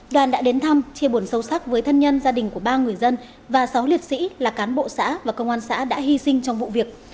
đoàn đã đến thăm chia buồn sâu sắc với thân nhân gia đình của ba người dân và sáu liệt sĩ là cán bộ xã và công an xã đã hy sinh trong vụ việc